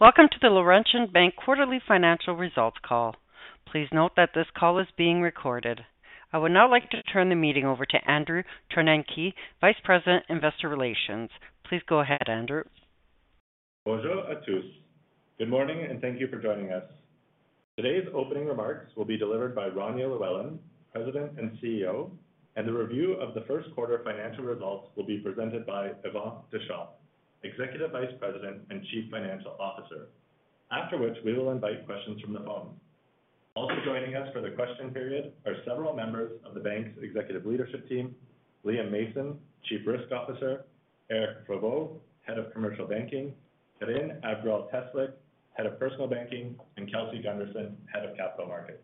Welcome to the Laurentian Bank Quarterly Financial Results Call. Please note that this call is being recorded. I would now like to turn the meeting over to Andrew Chornenky, Vice President, Investor Relations. Please go ahead, Andrew. Bonjour à tous. Good morning, and thank you for joining us. Today's opening remarks will be delivered by Rania Llewellyn, President and CEO, and the review of the first quarter financial results will be presented by Yvan Deschamps, Executive Vice President and Chief Financial Officer. After which we will invite questions from the phone. Also joining us for the question period are several members of the Bank’s Executive Leadership Team, Liam Mason, Chief Risk Officer, Éric Provost, Head of Commercial Banking, Karine Abgrall-Teslyk, Head of Personal Banking, and Kelsey Gunderson, Head of Capital Markets.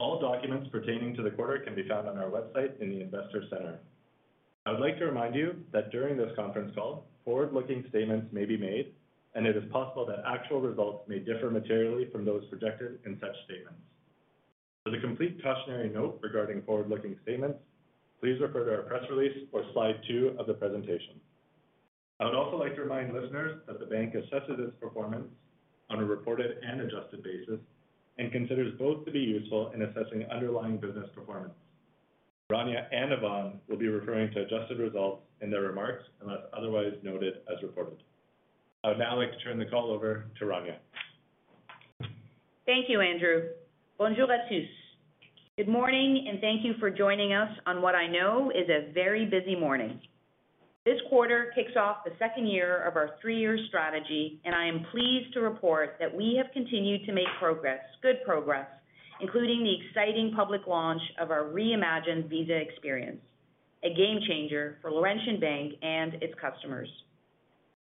All documents pertaining to the quarter can be found on our website in the Investor Center. I would like to remind you that during this conference call, forward-looking statements may be made, and it is possible that actual results may differ materially from those projected in such statements. For the complete cautionary note regarding forward-looking statements, please refer to our press release or slide two of the presentation. I would also like to remind listeners that the bank assesses its performance on a reported and adjusted basis and considers both to be useful in assessing underlying business performance. Rania and Yvan will be referring to adjusted results in their remarks unless otherwise noted as reported. I would now like to turn the call over to Rania. Thank you, Andrew. Bonjour à tous. Good morning. Thank you for joining us on what I know is a very busy morning. This quarter kicks off the second year of our three-year strategy. I am pleased to report that we have continued to make progress, good progress, including the exciting public launch of our reimagined Visa experience, a game-changer for Laurentian Bank and its customers.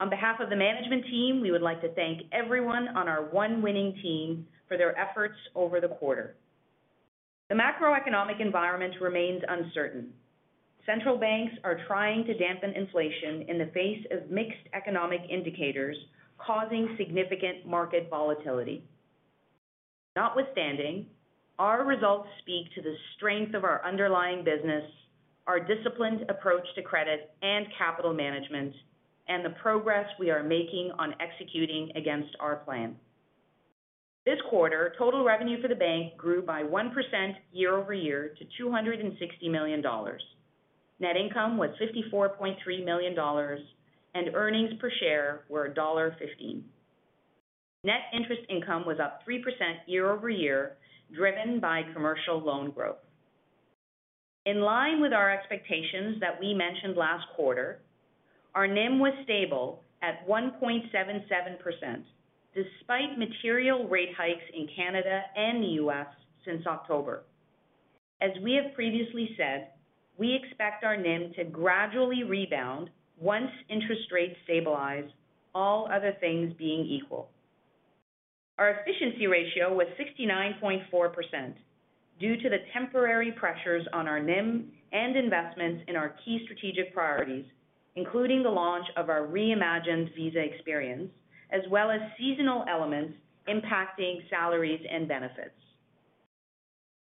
On behalf of the management team, we would like to thank everyone on our One Winning Team for their efforts over the quarter. The macroeconomic environment remains uncertain. Central banks are trying to dampen inflation in the face of mixed economic indicators, causing significant market volatility. Notwithstanding, our results speak to the strength of our underlying business, our disciplined approach to credit and capital management, and the progress we are making on executing against our plan. This quarter, total revenue for the bank grew by 1% year-over-year to 260 million dollars. Net income was 54.3 million dollars, and earnings per share were dollar 1.15. Net interest income was up 3% year-over-year, driven by commercial loan growth. In line with our expectations that we mentioned last quarter, our NIM was stable at 1.77% despite material rate hikes in Canada and the U.S. since October. As we have previously said, we expect our NIM to gradually rebound once interest rates stabilize, all other things being equal. Our efficiency ratio was 69.4% due to the temporary pressures on our NIM and investments in our key strategic priorities, including the launch of our reimagined Visa experience, as well as seasonal elements impacting salaries and benefits.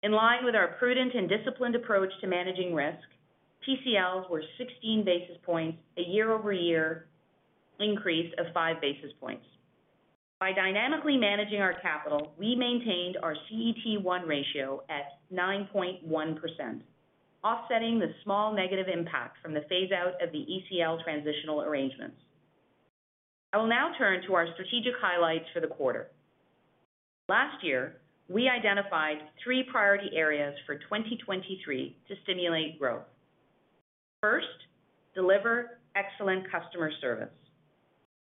In line with our prudent and disciplined approach to managing risk, PCLs were 16 basis points, a year-over-year increase of 5 basis points. By dynamically managing our capital, we maintained our CET1 ratio at 9.1%, offsetting the small negative impact from the phase out of the ECL transitional arrangements. I will now turn to our strategic highlights for the quarter. Last year, we identified three priority areas for 2023 to stimulate growth. First, deliver excellent customer service.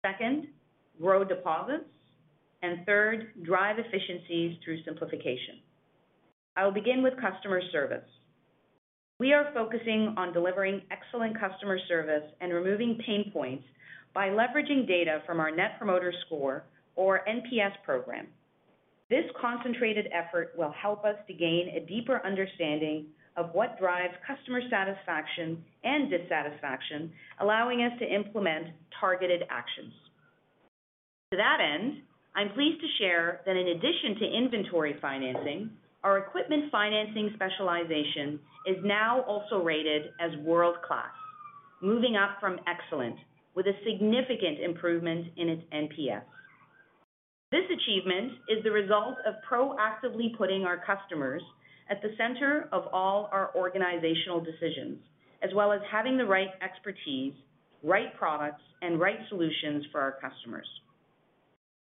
Second, grow deposits. Third, drive efficiencies through simplification. I will begin with customer service. We are focusing on delivering excellent customer service and removing pain points by leveraging data from our Net Promoter Score or NPS program. This concentrated effort will help us to gain a deeper understanding of what drives customer satisfaction and dissatisfaction, allowing us to implement targeted actions. To that end, I'm pleased to share that in addition to inventory financing, our equipment financing specialization is now also rated as world-class, moving up from excellent with a significant improvement in its NPS. This achievement is the result of proactively putting our customers at the center of all our organizational decisions, as well as having the right expertise, right products, and right solutions for our customers.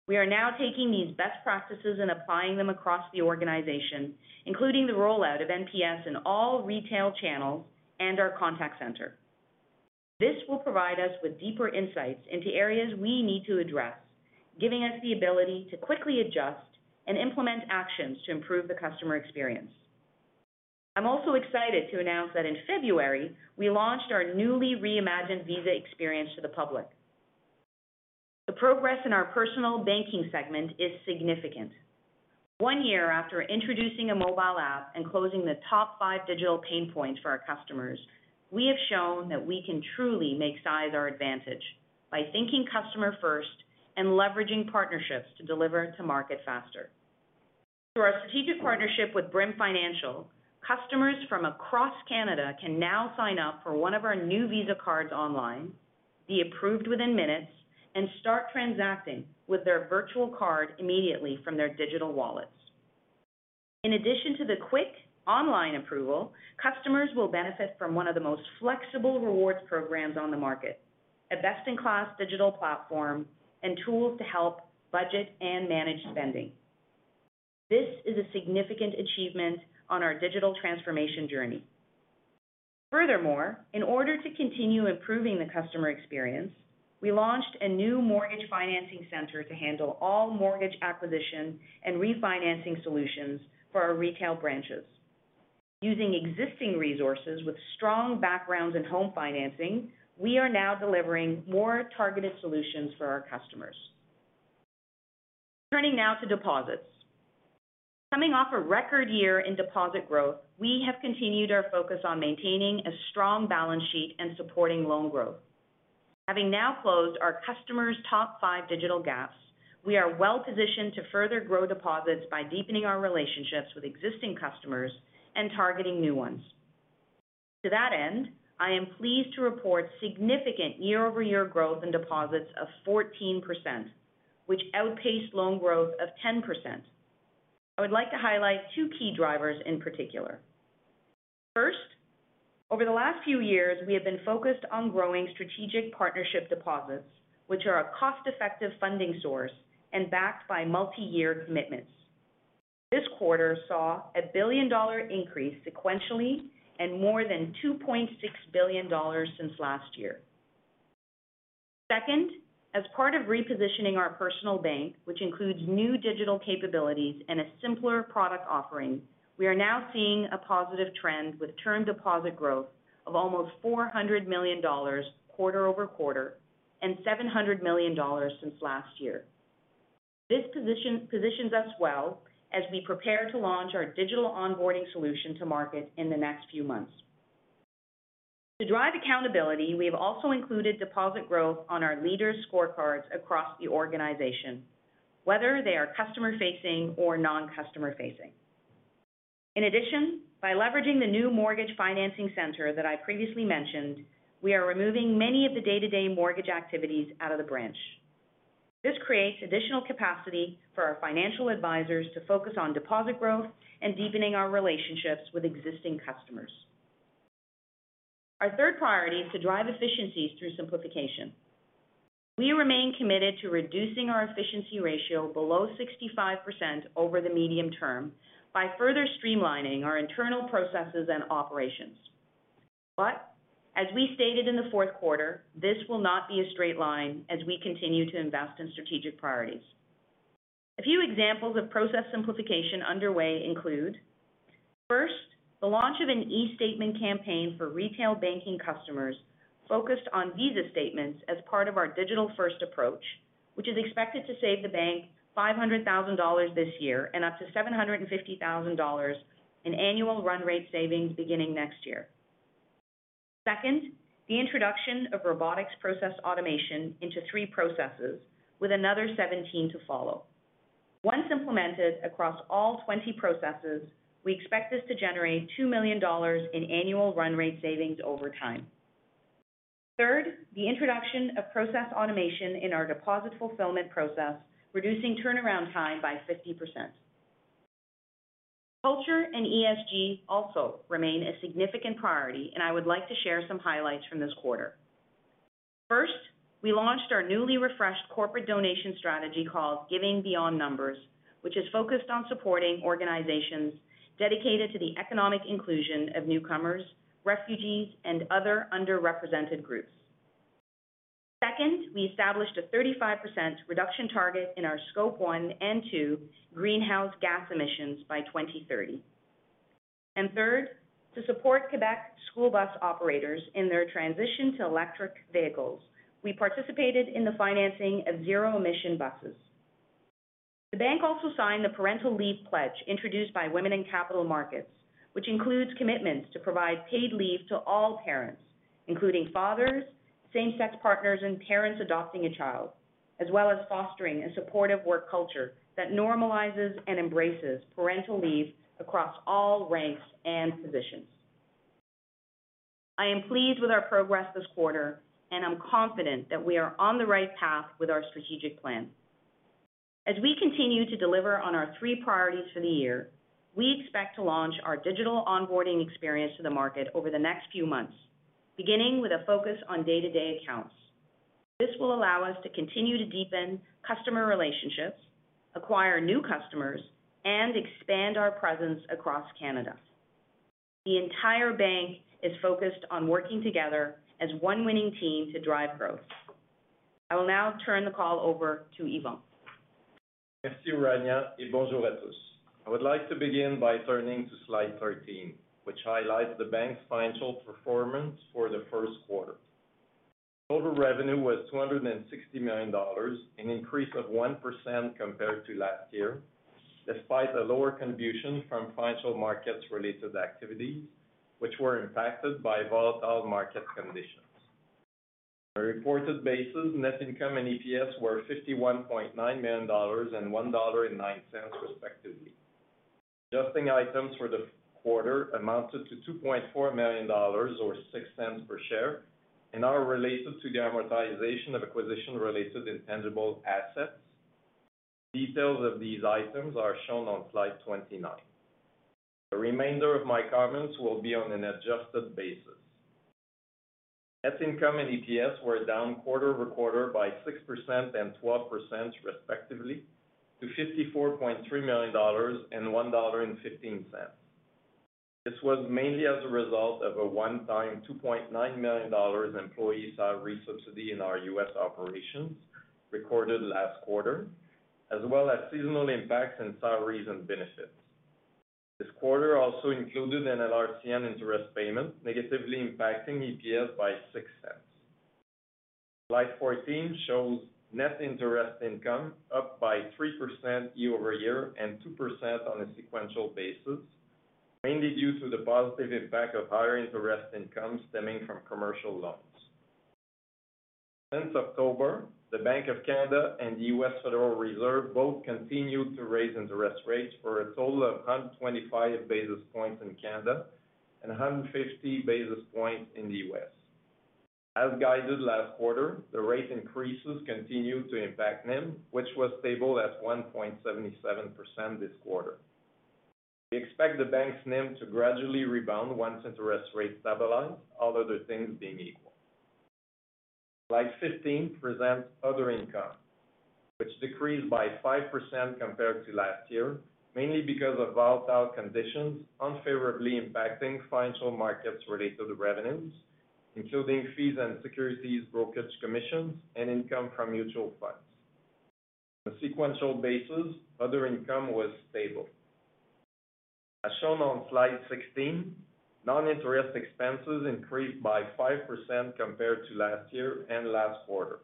We are now taking these best practices and applying them across the organization, including the rollout of NPS in all retail channels and our contact center. This will provide us with deeper insights into areas we need to address, giving us the ability to quickly adjust and implement actions to improve the customer experience. I'm also excited to announce that in February, we launched our newly reimagined Visa experience to the public. The progress in our personal banking segment is significant. One year after introducing a mobile app and closing the top five digital pain points for our customers, we have shown that we can truly make size our advantage by thinking customer first and leveraging partnerships to deliver to market faster. Through our strategic partnership with Brim Financial, customers from across Canada can now sign up for one of our new Visa cards online, be approved within minutes, and start transacting with their virtual card immediately from their digital wallets. In addition to the quick online approval, customers will benefit from one of the most flexible rewards programs on the market, a best-in-class digital platform and tools to help budget and manage spending. This is a significant achievement on our digital transformation journey. Furthermore, in order to continue improving the customer experience, we launched a new mortgage financing center to handle all mortgage acquisition and refinancing solutions for our retail branches. Using existing resources with strong backgrounds in home financing, we are now delivering more targeted solutions for our customers. Turning now to deposits. Coming off a record year in deposit growth, we have continued our focus on maintaining a strong balance sheet and supporting loan growth. Having now closed our customers' top five digital gaps, we are well-positioned to further grow deposits by deepening our relationships with existing customers and targeting new ones. To that end, I am pleased to report significant year-over-year growth in deposits of 14%, which outpaced loan growth of 10%. I would like to highlight two key drivers in particular. First, over the last few years, we have been focused on growing strategic partnership deposits, which are a cost-effective funding source and backed by multi-year commitments. This quarter saw a 1 billion dollar increase sequentially and more than 2.6 billion dollars since last year. Second, as part of repositioning our personal bank, which includes new digital capabilities and a simpler product offering, we are now seeing a positive trend with term deposit growth of almost 400 million dollars quarter-over-quarter and 700 million dollars since last year. This positions us well as we prepare to launch our digital onboarding solution to market in the next few months. To drive accountability, we have also included deposit growth on our leaders' scorecards across the organization, whether they are customer-facing or non-customer-facing. In addition, by leveraging the new mortgage financing center that I previously mentioned, we are removing many of the day-to-day mortgage activities out of the branch. This creates additional capacity for our financial advisors to focus on deposit growth and deepening our relationships with existing customers. Our third priority is to drive efficiencies through simplification. We remain committed to reducing our efficiency ratio below 65% over the medium term by further streamlining our internal processes and operations. As we stated in the fourth quarter, this will not be a straight line as we continue to invest in strategic priorities. A few examples of process simplification underway include, first, the launch of an eStatement campaign for retail banking customers focused on Visa statements as part of our digital-first approach, which is expected to save the bank 500,000 dollars this year and up to 750,000 dollars in annual run rate savings beginning next year. Second, the introduction of robotics process automation into three processes, with another 17 to follow. Once implemented across all 20 processes, we expect this to generate 2 million dollars in annual run rate savings over time. Third, the introduction of process automation in our deposit fulfillment process, reducing turnaround time by 50%. Culture and ESG also remain a significant priority, and I would like to share some highlights from this quarter. First, we launched our newly refreshed corporate donation strategy called Giving Beyond Numbers, which is focused on supporting organizations dedicated to the economic inclusion of newcomers, refugees, and other underrepresented groups. Second, we established a 35% reduction target in our Scope 1 and 2 Green House Gas emissions by 2030. Third, to support Quebec school bus operators in their transition to electric vehicles, we participated in the financing of zero-emission buses. The bank also signed the Parental Leave Pledge introduced by Women in Capital Markets, which includes commitments to provide paid leave to all parents, including fathers, same-sex partners, and parents adopting a child, as well as fostering a supportive work culture that normalizes and embraces parental leave across all ranks and positions. I am pleased with our progress this quarter, and I'm confident that we are on the right path with our strategic plan. As we continue to deliver on our three priorities for the year, we expect to launch our digital onboarding experience to the market over the next few months, beginning with a focus on day-to-day accounts. This will allow us to continue to deepen customer relationships, acquire new customers, and expand our presence across Canada. The entire bank is focused on working together as one winning team to drive growth. I will now turn the call over to Yvan. Merci Rania et bonjour à tous. I would like to begin by turning to slide 13, which highlights the bank's financial performance for the first quarter. Total revenue was 260 million dollars, an increase of 1% compared to last year, despite a lower contribution from financial markets related activities, which were impacted by volatile market conditions. The reported basis, net income and EPS were 51.9 million dollars and 1.09 dollar respectively. Adjusting items for the quarter amounted to 2.4 million dollars or 0.06 per share, and are related to the amortization of acquisition-related intangible assets. Details of these items are shown on slide 29. The remainder of my comments will be on an adjusted basis. Net income and EPS were down quarter-over-quarter by 6% and 12% respectively to 54.3 million dollars and 1.15 dollar. This was mainly as a result of a one-time 2.9 million dollars employee side re-subsidy in our U.S. operations recorded last quarter, as well as seasonal impacts in salaries and benefits. This quarter also included an LRCN interest payment, negatively impacting EPS by 0.06. Slide 14 shows net interest income up by 3% year-over-year and 2% on a sequential basis, mainly due to the positive impact of higher interest income stemming from commercial loans. Since October, the Bank of Canada and the U.S. Federal Reserve both continued to raise interest rates for a total of 125 basis points in Canada and 150 basis points in the U.S. As guided last quarter, the rate increases continued to impact NIM, which was stable at 1.77% this quarter. We expect the bank's NIM to gradually rebound once interest rates stabilize, all other things being equal. Slide 15 presents other income, which decreased by 5% compared to last year, mainly because of volatile conditions unfavorably impacting financial markets related to the revenues, including fees and securities brokerage commissions and income from mutual funds. On a sequential basis, other income was stable. As shown on slide 16, non-interest expenses increased by 5% compared to last year and last quarter.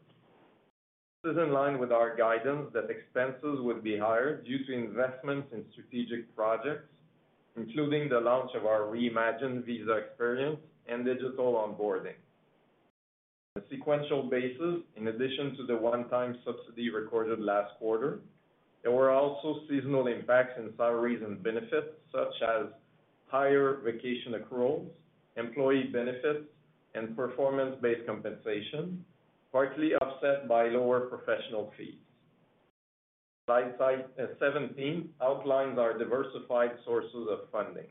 This is in line with our guidance that expenses would be higher due to investments in strategic projects, including the launch of our reimagined Visa experience and digital onboarding. On a sequential basis, in addition to the one-time subsidy recorded last quarter, there were also seasonal impacts in salaries and benefits such as higher vacation accruals, employee benefits, and performance-based compensation, partly offset by lower professional fees. Slide 17 outlines our diversified sources of funding.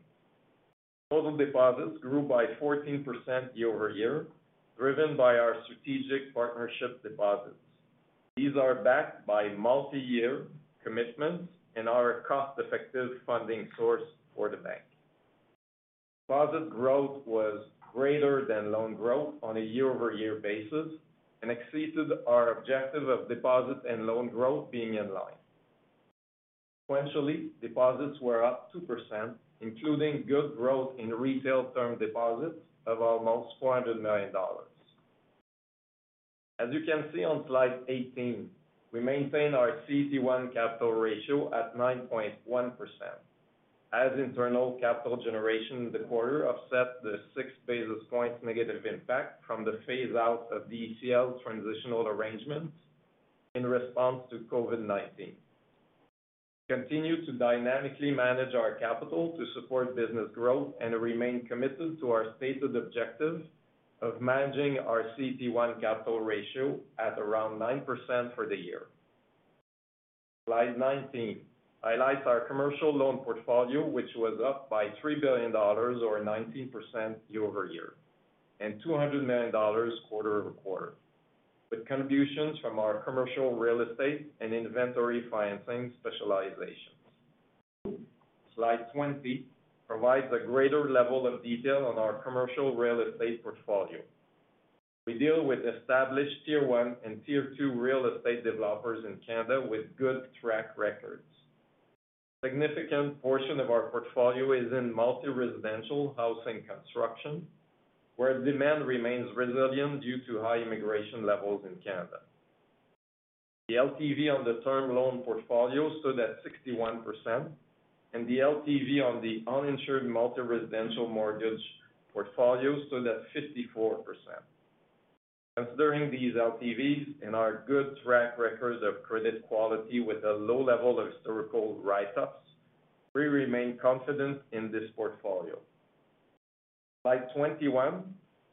Total deposits grew by 14% year-over-year, driven by our strategic partnership deposits. These are backed by multi-year commitments and are a cost-effective funding source for the bank. Deposit growth was greater than loan growth on a year-over-year basis and exceeded our objective of deposit and loan growth being in line. Sequentially, deposits were up 2%, including good growth in retail term deposits of almost 400 million dollars. As you can see on slide 18, we maintain our CET1 capital ratio at 9.1% as internal capital generation in the quarter offset the 6 basis points negative impact from the phase-out of the ECL transitional arrangements in response to COVID-19. We continue to dynamically manage our capital to support business growth and remain committed to our stated objective of managing our CET1 capital ratio at around 9% for the year. Slide 19 highlights our commercial loan portfolio, which was up by 3 billion dollars or 19% year-over-year, and 200 million dollars quarter-over-quarter, with contributions from our commercial real estate and inventory financing specializations. Slide 20 provides a greater level of detail on our commercial real estate portfolio. We deal with established tier one and tier two real estate developers in Canada with good track records. A significant portion of our portfolio is in multi-residential housing construction, where demand remains resilient due to high immigration levels in Canada. The LTV on the term loan portfolio stood at 61%, and the LTV on the uninsured multi-residential mortgage portfolio stood at 54%. Considering these LTVs and our good track records of credit quality with a low level of historical write-offs, we remain confident in this portfolio. Slide 21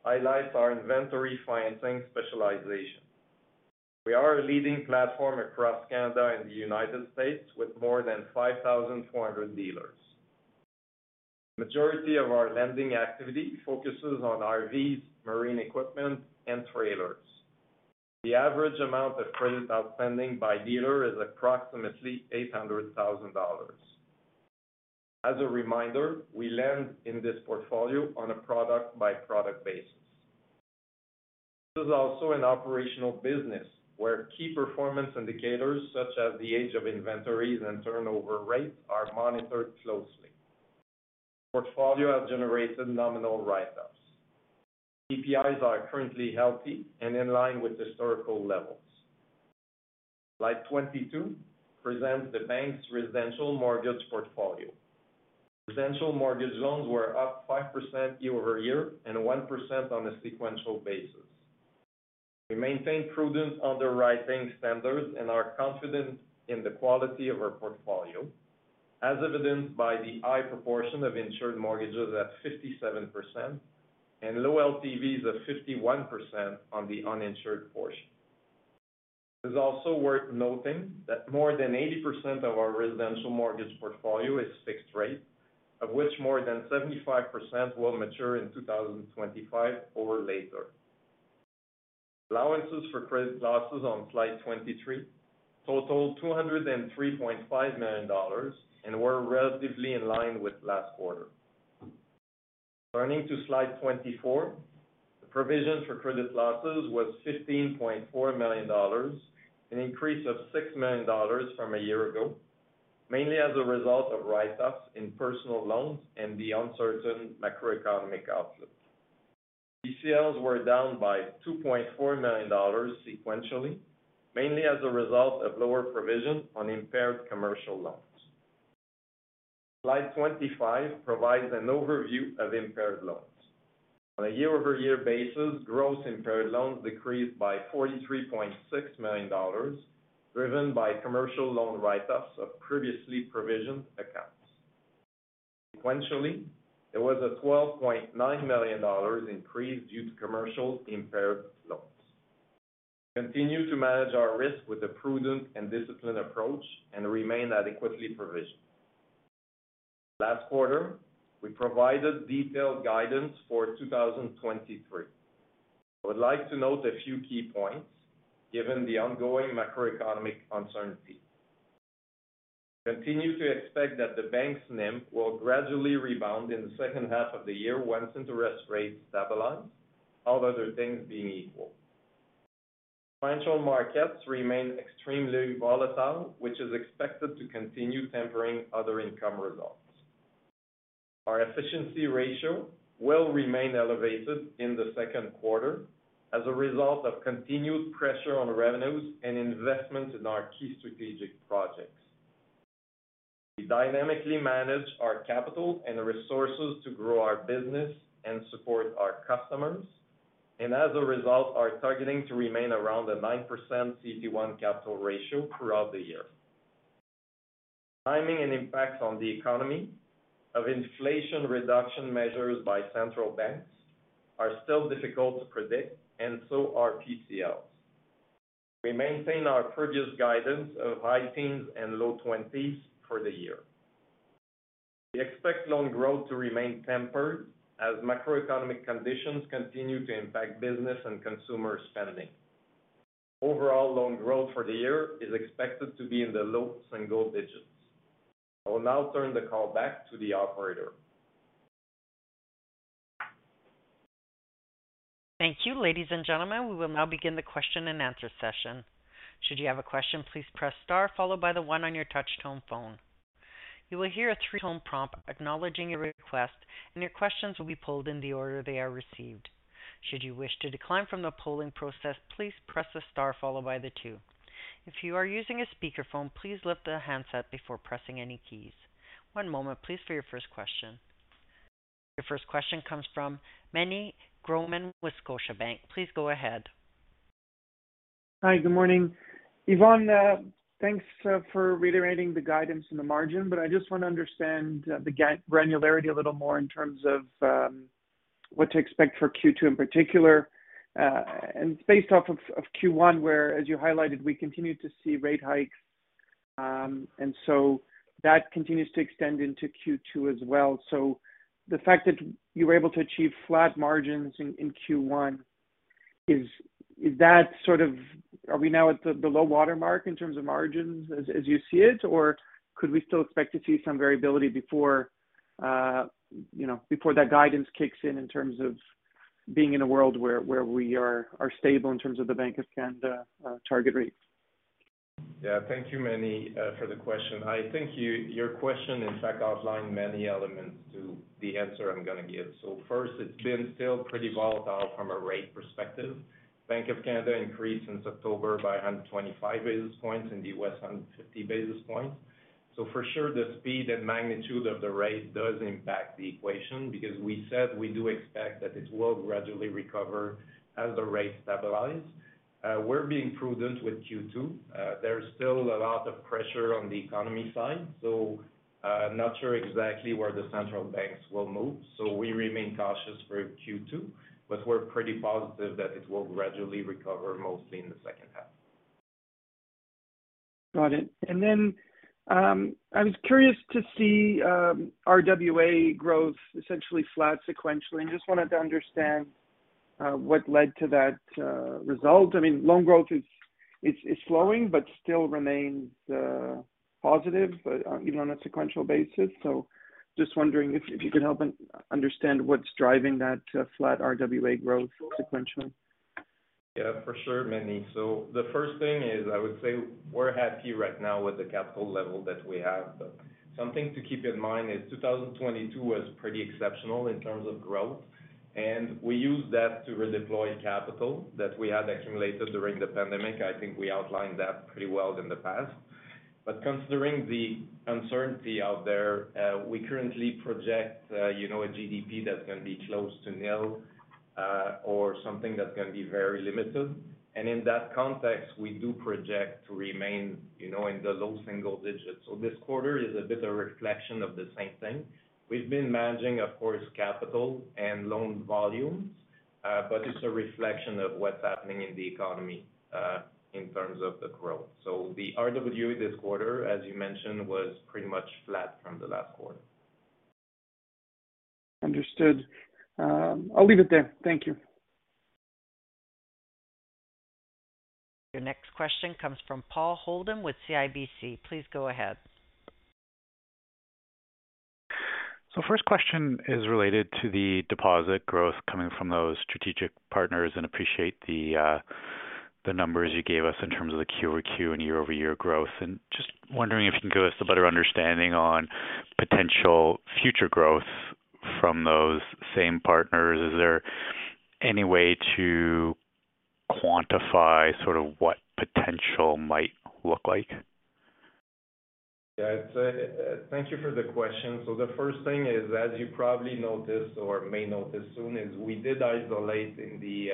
highlights our inventory financing specialization. We are a leading platform across Canada and the United States with more than 5,400 dealers. Majority of our lending activity focuses on RVs, marine equipment, and trailers. The average amount of credit outstanding by dealer is approximately 800,000 dollars. As a reminder, we lend in this portfolio on a product-by-product basis. This is also an operational business where key performance indicators such as the age of inventories and turnover rates are monitored closely. Portfolio has generated nominal write-offs. EPIs are currently healthy and in line with historical levels. Slide 22 presents the bank's residential mortgage portfolio. Residential mortgage loans were up 5% year-over-year and 1% on a sequential basis. We maintain prudent underwriting standards and are confident in the quality of our portfolio, as evidenced by the high proportion of insured mortgages at 57% and low LTVs of 51% on the uninsured portion. It is also worth noting that more than 80% of our residential mortgage portfolio is fixed rate, of which more than 75% will mature in 2025 or later. Allowances for credit losses on slide 23 totaled 203.5 million dollars and were relatively in line with last quarter. Turning to slide 24, the provision for credit losses was 15.4 million dollars, an increase of 6 million dollars from a year ago, mainly as a result of write-offs in personal loans and the uncertain macroeconomic outlook. PCLs were down by 2.4 million dollars sequentially, mainly as a result of lower provision on impaired commercial loans. Slide 25 provides an overview of impaired loans. On a year-over-year basis, gross impaired loans decreased by 43.6 million dollars, driven by commercial loan write-offs of previously provisioned accounts. Sequentially, there was a 12.9 million dollars increase due to commercial impaired loans. We continue to manage our risk with a prudent and disciplined approach and remain adequately provisioned. Last quarter, we provided detailed guidance for 2023. I would like to note a few key points given the ongoing macroeconomic uncertainty. We continue to expect that the bank's NIM will gradually rebound in the second half of the year once interest rates stabilize, all other things being equal. Financial markets remain extremely volatile, which is expected to continue tempering other income results. Our efficiency ratio will remain elevated in the second quarter as a result of continued pressure on revenues and investment in our key strategic projects. We dynamically manage our capital and the resources to grow our business and support our customers, as a result, are targeting to remain around the 9% CET1 capital ratio throughout the year. Timing and impacts on the economy of inflation reduction measures by central banks are still difficult to predict, so are PCLs. We maintain our previous guidance of high teens and low twenties for the year. We expect loan growth to remain tempered as macroeconomic conditions continue to impact business and consumer spending. Overall loan growth for the year is expected to be in the low single digits. I will now turn the call back to the operator. Thank you, ladies and gentlemen. We will now begin the question and answer session. Should you have a question, please press star followed by the one on your touchtone phone. You will hear a three-tone prompt acknowledging your request, and your questions will be pulled in the order they are received. Should you wish to decline from the polling process, please press the star followed by the two. If you are using a speakerphone, please lift the handset before pressing any keys. One moment, please, for your first question. Your first question comes from Meny Grauman with Scotiabank. Please go ahead. Hi, good morning. Yvan, thanks for reiterating the guidance in the margin. I just want to understand the granularity a little more in terms of what to expect for Q2 in particular. It's based off of Q1, where, as you highlighted, we continued to see rate hikes, and that continues to extend into Q2 as well. The fact that you were able to achieve flat margins in Q1, is that sort of, are we now at the low water mark in terms of margins as you see it? Could we still expect to see some variability before, you know, before that guidance kicks in terms of being in a world where we are stable in terms of the Bank of Canada target rates? Yeah. Thank you, Meny, for the question. I think you, your question, in fact, outlined many elements to the answer I'm gonna give. First, it's been still pretty volatile from a rate perspective. Bank of Canada increased since October by 125 basis points. In the U.S., 150 basis points. For sure, the speed and magnitude of the rate does impact the equation because we said we do expect that it will gradually recover as the rate stabilizes. We're being prudent with Q2. There's still a lot of pressure on the economy side. Not sure exactly where the central banks will move. We remain cautious for Q2, but we're pretty positive that it will gradually recover mostly in the second half. Got it. I was curious to see RWA growth essentially flat sequentially, and just wanted to understand what led to that result. I mean, loan growth is slowing but still remains positive, even on a sequential basis. just wondering if you could help understand what's driving that flat RWA growth sequentially. Yeah, for sure, Meny. The first thing is, I would say we're happy right now with the capital level that we have. Something to keep in mind is 2022 was pretty exceptional in terms of growth, and we used that to redeploy capital that we had accumulated during the pandemic. I think we outlined that pretty well in the past. But considering the uncertainty out there, we currently project, you know, a GDP that's gonna be close to nil, or something that's gonna be very limited. In that context, we do project to remain, you know, in the low single digits. This quarter is a bit of reflection of the same thing. We've been managing, of course, capital and loan volumes, but it's a reflection of what's happening in the economy, in terms of the growth. The RWA this quarter, as you mentioned, was pretty much flat from the last quarter. Understood. I'll leave it there. Thank you. Your next question comes from Paul Holden with CIBC. Please go ahead. First question is related to the deposit growth coming from those strategic partners and appreciate the numbers you gave us in terms of the Q-over-Q and year-over-year growth. Just wondering if you can give us a better understanding on potential future growth from those same partners. Is there any way to quantify sort of what potential might look like? Yeah, it's, thank you for the question. The first thing is, as you probably noticed or may notice soon, is we did isolate in the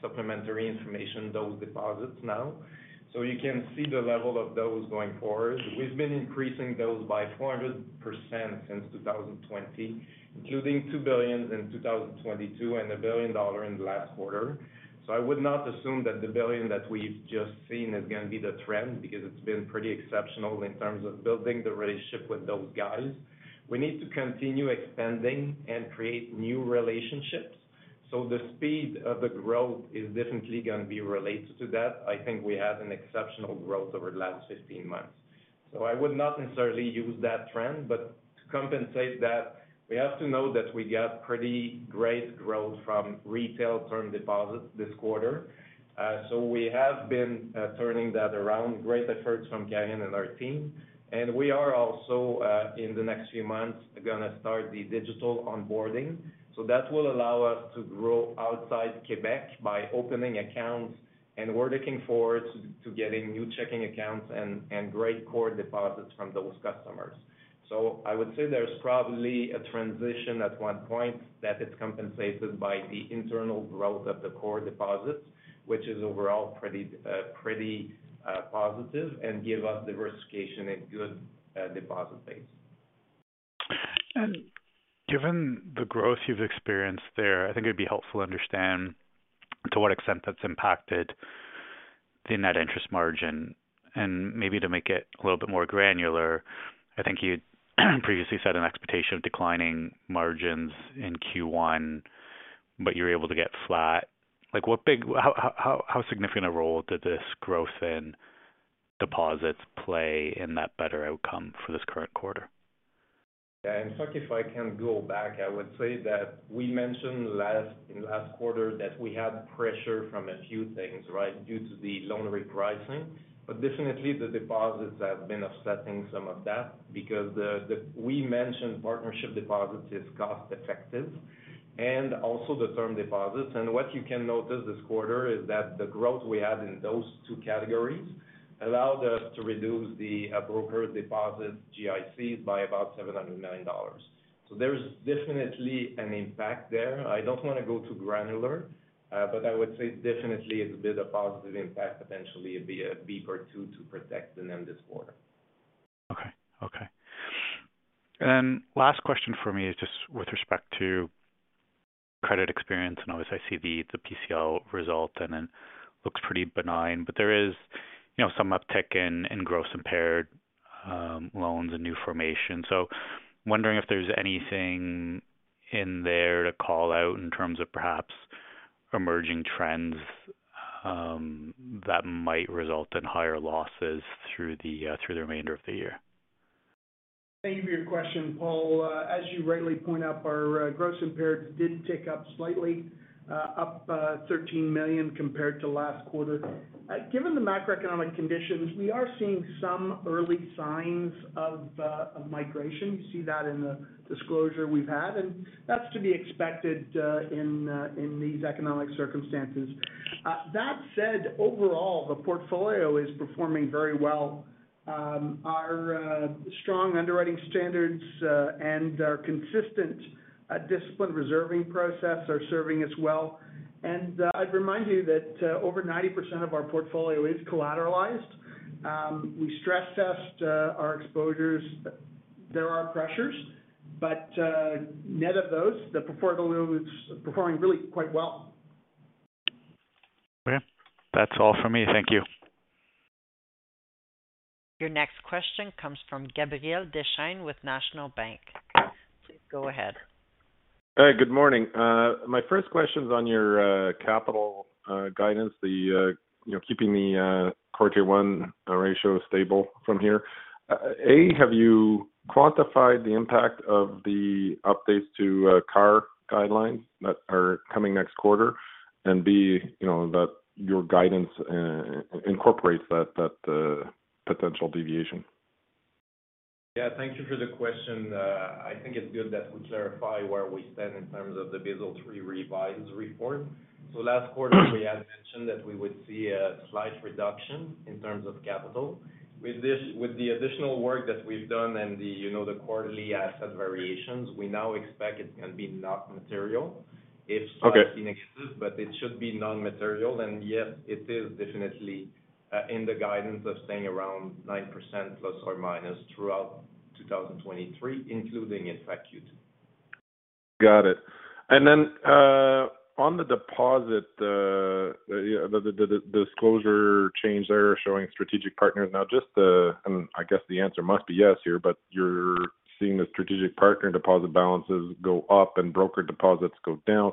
supplementary information those deposits now. You can see the level of those going forward. We've been increasing those by 400% since 2020, including 2 billion in 2022 and 1 billion dollar in the last quarter. I would not assume that the 1 billion that we've just seen is gonna be the trend because it's been pretty exceptional in terms of building the relationship with those guys. We need to continue expanding and create new relationships. The speed of the growth is definitely gonna be related to that. I think we had an exceptional growth over the last 15 months. I would not necessarily use that trend, but to compensate that, we have to know that we got pretty great growth from retail term deposits this quarter. We have been turning that around. Great efforts from Karine and our team. We are also in the next few months, gonna start the digital onboarding. That will allow us to grow outside Quebec by opening accounts, and we're looking forward to getting new checking accounts and great core deposits from those customers. I would say there's probably a transition at one point that is compensated by the internal growth of the core deposits, which is overall pretty positive and give us diversification and good deposit base. Given the growth you've experienced there, I think it'd be helpful to understand to what extent that's impacted the net interest margin. Maybe to make it a little bit more granular, I think you previously said an expectation of declining margins in Q1, but you're able to get flat. Like, how significant a role did this growth in deposits play in that better outcome for this current quarter? In fact, if I can go back, I would say that we mentioned last quarter that we had pressure from a few things, right? Due to the loan repricing. Definitely the deposits have been offsetting some of that because we mentioned partnership deposits is cost effective and also the term deposits. What you can notice this quarter is that the growth we had in those two categories allowed us to reduce the broker deposit GIC by about 700 million dollars. There's definitely an impact there. I don't wanna go too granular, but I would say definitely it's a bit of positive impact. Eventually, it'd be a beep or two to protect the NIM this quarter. Okay. Okay. Last question for me is just with respect to credit experience, and obviously I see the PCL result and it looks pretty benign, but there is, you know, some uptick in gross impaired loans and new formation. Wondering if there's anything in there to call out in terms of perhaps emerging trends that might result in higher losses through the remainder of the year? Thank you for your question, Paul. As you rightly point out, our gross impaired did tick up slightly, up 13 million compared to last quarter. Given the macroeconomic conditions, we are seeing some early signs of migration. You see that in the disclosure we've had, and that's to be expected in these economic circumstances. That said, overall, the portfolio is performing very well. Our strong underwriting standards and our consistent disciplined reserving process are serving us well. I'd remind you that over 90% of our portfolio is collateralized. We stress test our exposures. There are pressures, but net of those, the portfolio is performing really quite well. Okay. That's all for me. Thank you. Your next question comes from Gabriel Dechaine with National Bank. Please go ahead. Hey, good morning. My first question is on your capital guidance, the, you know, keeping the quarter one ratio stable from here. A, have you quantified the impact of the updates to CAR guidelines that are coming next quarter? B, you know, that your guidance incorporates that potential deviation? Thank you for the question. I think it's good that we clarify where we stand in terms of the Basel III revised report. Last quarter, we had mentioned that we would see a slight reduction in terms of capital. With the additional work that we've done and the, you know, the quarterly asset variations, we now expect it can be not material if something exists. Okay. It should be non-material. Yes, it is definitely in the guidance of staying around 9% ± throughout 2023, including in fact Q2. Got it. On the deposit, the disclosure change there showing strategic partners. I guess the answer must be yes here, but you're seeing the strategic partner deposit balances go up and broker deposits go down.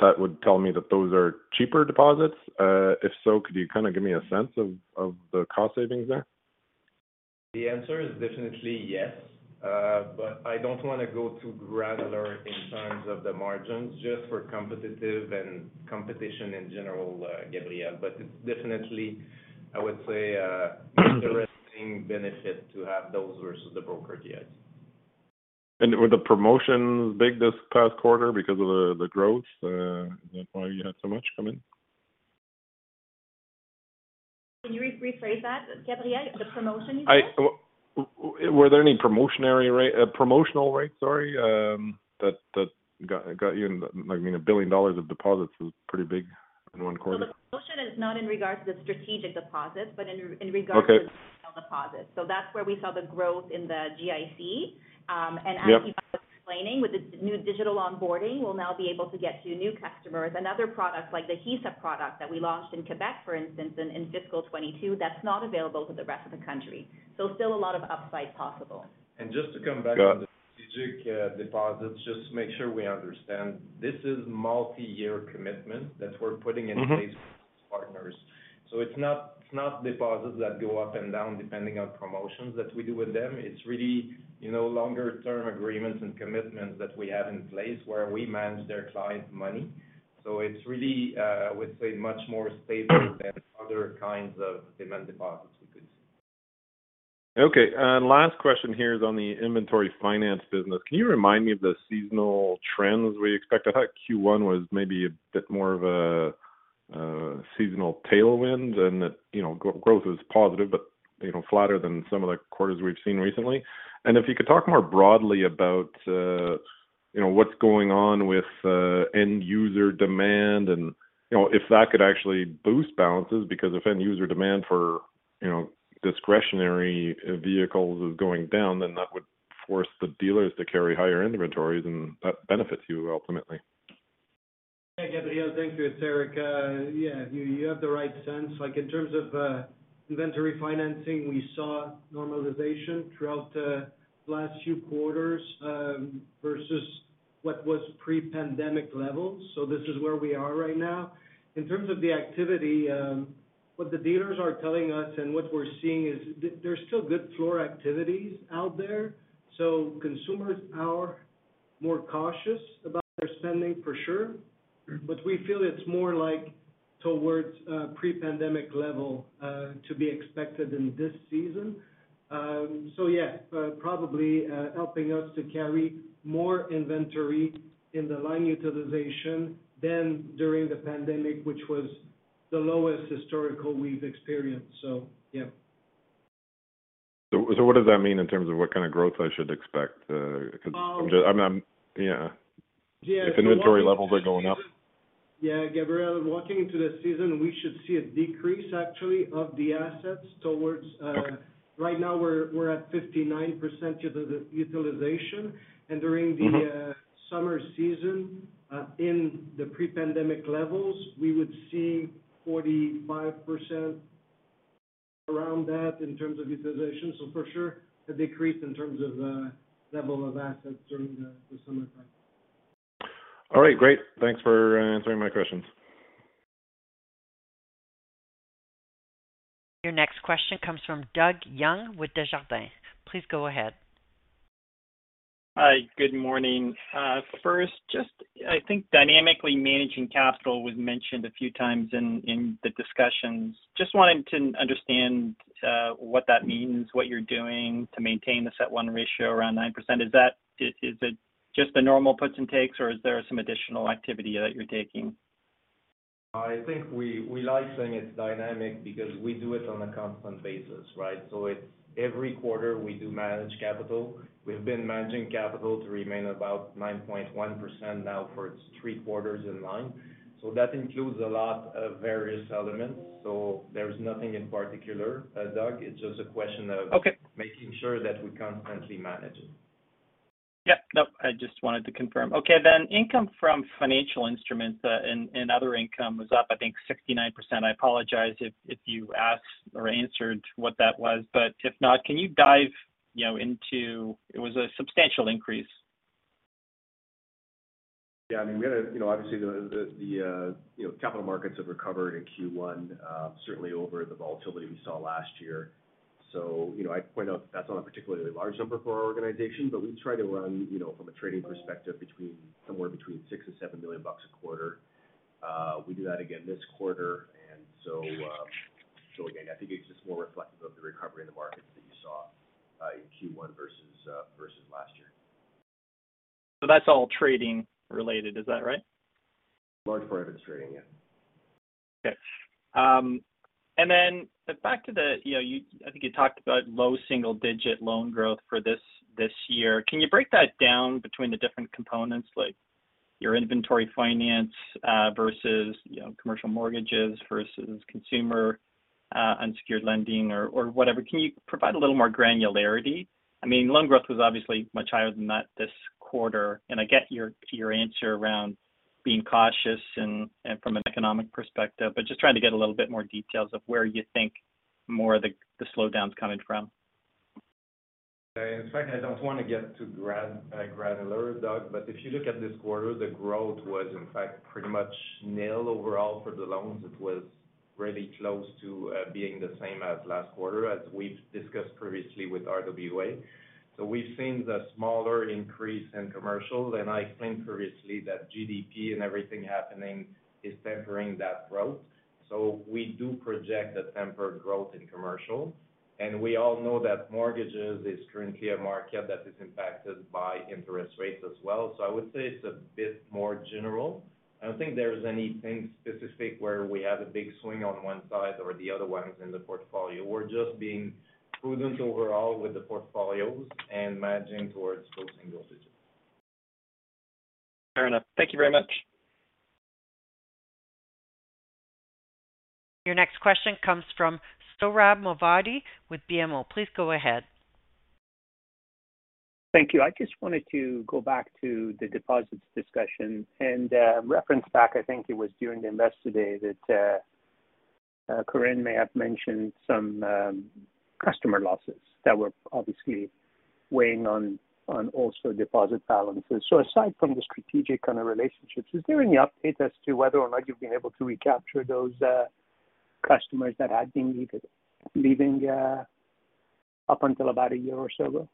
That would tell me that those are cheaper deposits. If so, could you kind of give me a sense of the cost savings there? The answer is definitely yes. I don't want to go too granular in terms of the margins just for competitive and competition in general, Gabriel. It's definitely, I would say, interesting benefit to have those versus the brokered yet. Were the promotions big this past quarter because of the growth? Is that why you had so much come in? Can you re-rephrase that, Gabriel? The promotion, you said? Were there any promotional rates, sorry, that got you in, I mean, a billion dollars of deposits was pretty big in one quarter? The promotion is not in regards to the strategic deposits, but in regards. Okay. -to deposits. That's where we saw the growth in the GIC. As Yvan was explaining, with the new digital onboarding, we'll now be able to get to new customers. Another product like the HISA product that we launched in Quebec, for instance, in fiscal 2022, that's not available to the rest of the country. Still a lot of upside possible. Just to come back on the strategic deposits, just to make sure we understand. This is multi-year commitment that we're putting in place with partners. It's not deposits that go up and down depending on promotions that we do with them. It's really, you know, longer-term agreements and commitments that we have in place where we manage their clients' money. It's really, I would say, much more stable than other kinds of demand deposits we could see. Okay. Last question here is on the inventory finance business. Can you remind me of the seasonal trends we expect? I thought Q1 was maybe a bit more of a seasonal tailwind and that, you know, growth was positive but, you know, flatter than some of the quarters we've seen recently. If you could talk more broadly about, you know, what's going on with end user demand and, you know, if that could actually boost balances. Because if end user demand for, you know, discretionary vehicles is going down, then that would force the dealers to carry higher inventories, and that benefits you ultimately. Hey, Gabriel. Thank you, Éric. yeah, you have the right sense. Like, in terms of inventory financing, we saw normalization throughout the last few quarters, versus what was pre-pandemic levels. This is where we are right now. In terms of the activity, what the dealers are telling us and what we're seeing is there's still good floor activities out there. Consumers are more cautious about their spending for sure, but we feel it's more like towards a pre-pandemic level, to be expected in this season. yeah, probably helping us to carry more inventory in the line utilization than during the pandemic, which was the lowest historical we've experienced. yeah. What does that mean in terms of what kind of growth I should expect? 'Cause I'm... yeah. Yeah. If inventory levels are going up. Yeah, Gabriel, walking into the season, we should see a decrease actually of the assets towards. Right now we're at 59% utilization. During the summer season, in the pre-pandemic levels, we would see 45% around that in terms of utilization. For sure, a decrease in terms of level of assets during the summer time. All right, great. Thanks for answering my questions. Your next question comes from Doug Young with Desjardins. Please go ahead. Hi. Good morning. First, just I think dynamically managing capital was mentioned a few times in the discussions. Just wanting to understand what that means, what you're doing to maintain the CET1 ratio around 9%. Is it just the normal puts and takes, or is there some additional activity that you're taking? I think we like saying it's dynamic because we do it on a constant basis, right? It's every quarter we do manage capital. We've been managing capital to remain about 9.1% now for 3 quarters in line. That includes a lot of various elements. There's nothing in particular, Doug. It's just a question of- Okay. making sure that we constantly manage it. Yeah. No, I just wanted to confirm. Okay, income from financial instruments, and other income was up, I think 69%. I apologize if you asked or answered what that was, if not, can you dive, you know, into... It was a substantial increase. Yeah. I mean, we had a, you know, obviously the, you know, capital markets have recovered in Q1, certainly over the volatility we saw last year. You know, I point out that's not a particularly large number for our organization, but we try to run, you know, from a trading perspective somewhere between 6 million and 7 million bucks a quarter. We do that again this quarter. Again, I think it's just more reflective of the recovery in the markets that you saw in Q1 versus versus last year. That's all trading related. Is that right? Large part of it's trading, yeah. Okay. Then back to the, you know, I think you talked about low single-digit loan growth for this year. Can you break that down between the different components, like your inventory finance, versus, you know, commercial mortgages versus consumer, unsecured lending or whatever. Can you provide a little more granularity? I mean, loan growth was obviously much higher than that this quarter. I get your answer around being cautious and, from an economic perspective, but just trying to get a little bit more details of where you think more of the slowdown is coming from? In fact, I don't wanna get too granular, Doug, but if you look at this quarter, the growth was in fact pretty much nil overall for the loans. It was really close to being the same as last quarter as we've discussed previously with RWA. We've seen the smaller increase in commercial, and I explained previously that GDP and everything happening is tempering that growth. We do project a tempered growth in commercial. We all know that mortgages is currently a market that is impacted by interest rates as well. I would say it's a bit more general. I don't think there's anything specific where we have a big swing on one side or the other ones in the portfolio. We're just being prudent overall with the portfolios and managing towards low single digits. Fair enough. Thank you very much. Your next question comes from Sohrab Movahedi with BMO. Please go ahead. Thank you. I just wanted to go back to the deposits discussion and reference back, I think it was during the Investor Day that Karine may have mentioned some customer losses that were obviously weighing on also deposit balances. Aside from the strategic kind of relationships, is there any update as to whether or not you've been able to recapture those customers that had been leaving up until about a year or so ago?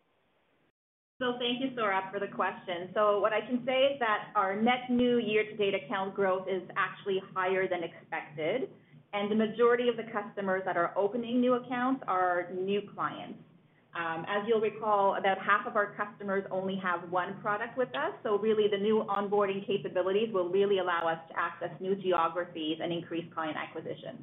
Thank you, Sohrab, for the question. What I can say is that our net new year-to-date account growth is actually higher than expected, and the majority of the customers that are opening new accounts are new clients. As you'll recall, about half of our customers only have one product with us, so really the new onboarding capabilities will really allow us to access new geographies and increase client acquisition.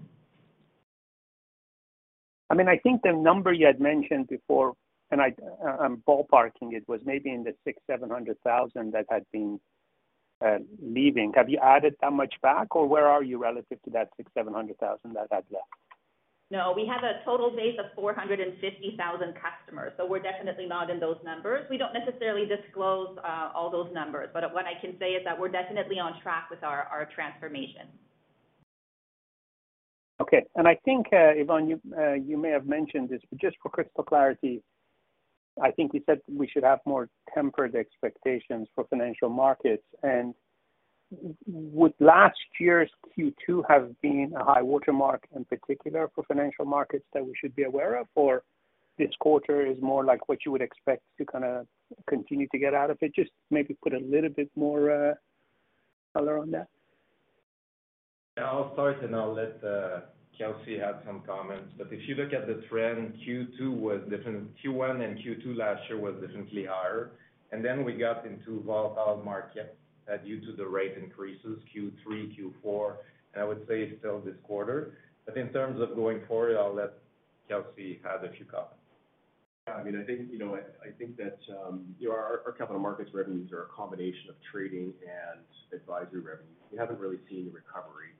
I mean, I think the number you had mentioned before, and I'm ballparking it, was maybe in the 600,000, 700,000 that had been leaving. Have you added that much back, or where are you relative to that 600,000, 700,000 that had left? No, we have a total base of 450,000 customers, so we're definitely not in those numbers. We don't necessarily disclose all those numbers, but what I can say is that we're definitely on track with our transformation. Okay. I think, Yvan, you may have mentioned this, but just for crystal clarity, I think we said we should have more tempered expectations for financial markets. Would last year's Q2 have been a high watermark in particular for financial markets that we should be aware of, or this quarter is more like what you would expect to kinda continue to get out of it? Just maybe put a little bit more color on that. Yeah. I'll start and I'll let Kelsey have some comments. If you look at the trend, Q2 was different. Q1 and Q2 last year was definitely higher. We got into volatile markets due to the rate increases Q3, Q4, and I would say still this quarter. In terms of going forward, I'll let Kelsey add a few comments. I mean, I think, you know what, I think that, you know, our capital markets revenues are a combination of trading and advisory revenues. We haven't really seen a recovery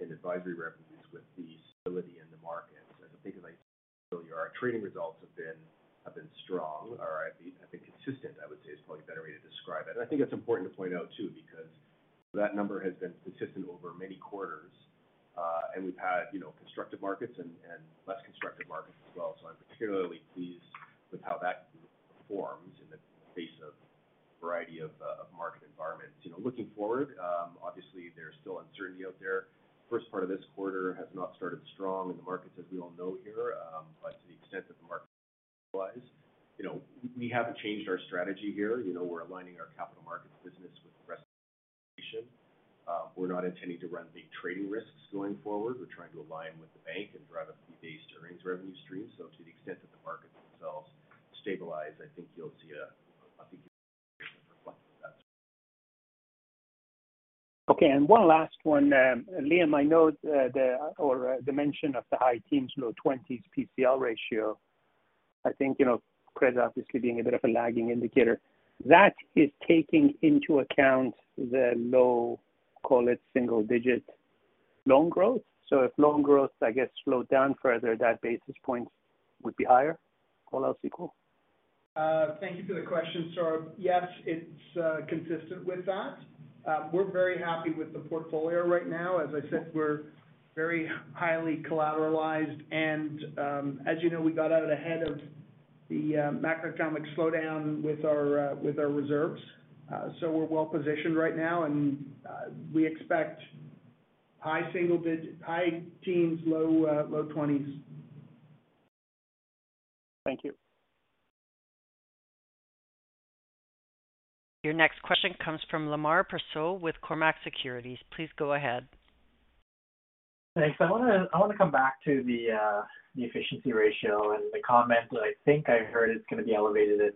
in advisory revenues with the stability in the markets. I think as I said earlier, our trading results have been strong or have been consistent, I would say is probably a better way to describe it. I think it's important to point out too, because that number has been consistent over many quarters, and we've had, you know, constructive markets and less constructive markets as well. I'm particularly pleased with how that group performs in the face of variety of market environments. You know, looking forward, obviously there's still uncertainty out there. First part of this quarter has not started strong in the markets as we all know here. To the extent that the markets stabilize, you know, we haven't changed our strategy here. You know, we're aligning our capital markets business with the rest of the organization. We're not intending to run big trading risks going forward. We're trying to align with the bank and drive a fee-based earnings revenue stream. To the extent that the markets themselves stabilize, I think you'll see it reflected that. One last one. Liam, I note the or dimension of the high teens, low 20s PCL ratio. I think, you know, credit obviously being a bit of a lagging indicator. That is taking into account the low, call it single-digit loan growth. If loan growth, I guess, slowed down further, that basis points would be higher, all else equal? Thank you for the question, Sohrab. Yes, it's consistent with that. We're very happy with the portfolio right now. As I said, we're very highly collateralized and, as you know, we got out ahead of the macroeconomic slowdown with our reserves. We're well-positioned right now and we expect high teens, low, low 20s. Thank you. Your next question comes from Lemar Persaud with Cormark Securities. Please go ahead. Thanks. I wanna come back to the efficiency ratio and the comment that I think I heard it's gonna be elevated in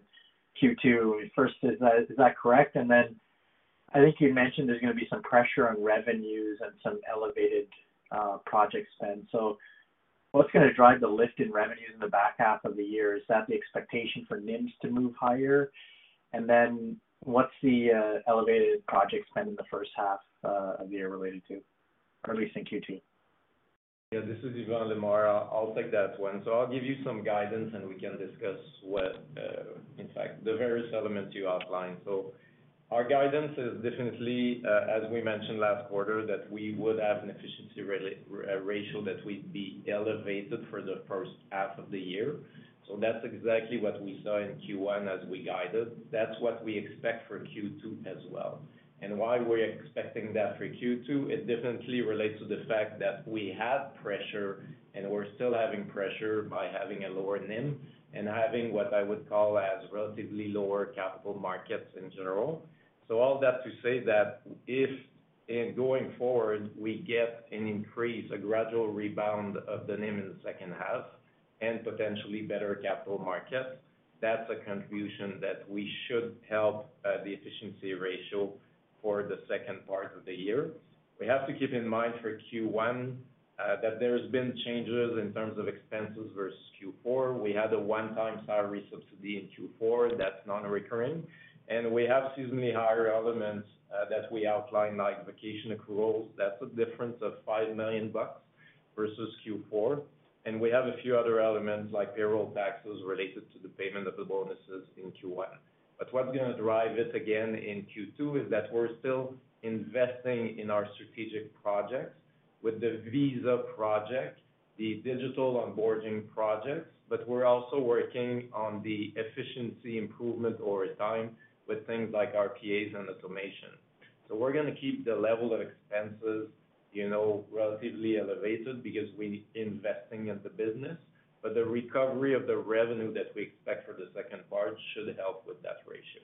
Q2. First is that correct? I think you mentioned there's gonna be some pressure on revenues and some elevated, project spend. What's gonna drive the lift in revenues in the back half of the year? Is that the expectation for NIMs to move higher? What's the elevated project spend in the first half of the year related to, or at least in Q2? Yeah. This is Yvan, Lemar. I'll take that one. I'll give you some guidance, and we can discuss what, in fact, the various elements you outlined. Our guidance is definitely, as we mentioned last quarter, that we would have an efficiency ratio that we'd be elevated for the first half of the year. That's exactly what we saw in Q1 as we guided. That's what we expect for Q2 as well. Why we're expecting that for Q2, it definitely relates to the fact that we have pressure, and we're still having pressure by having a lower NIM and having what I would call as relatively lower capital markets in general. All that to say that if in going forward, we get an increase, a gradual rebound of the NIM in the second half and potentially better capital markets, that's a contribution that we should help the efficiency ratio for the second part of the year. We have to keep in mind for Q1 that there's been changes in terms of expenses versus Q4. We had a one-time salary subsidy in Q4 that's non-recurring, and we have seasonally higher elements that we outlined, like vacation accruals. That's a difference of 5 million bucks versus Q4. We have a few other elements like payroll taxes related to the payment of the bonuses in Q1. What's gonna drive it again in Q2 is that we're still investing in our strategic projects with the Visa project, the digital onboarding projects, but we're also working on the efficiency improvement over time with things like RPAs and automation. We're gonna keep the level of expenses, you know, relatively elevated because we're investing in the business. The recovery of the revenue that we expect for the second part should help with that ratio.